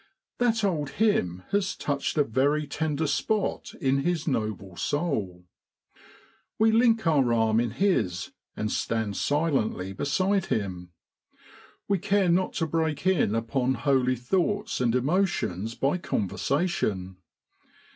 That old hymn has touched a very tender spot in his noble soul. We link our arm in his and stand silently beside him. We care not to break in upon holy thoughts and emotions by conver sation.